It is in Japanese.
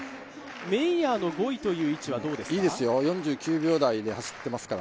メイヤーの５位という位置はどうですか？